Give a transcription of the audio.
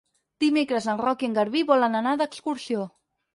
Dimecres en Roc i en Garbí volen anar d'excursió.